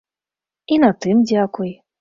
І на тым дзякуй.